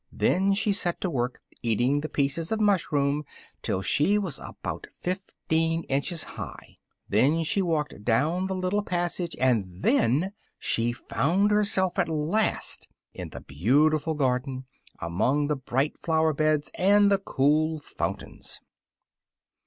Then she set to work eating the pieces of mushroom till she was about fifteen inches high: then she walked down the little passage: and then she found herself at last in the beautiful garden, among the bright flowerbeds and the cool fountains.